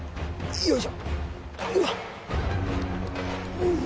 よいしょ！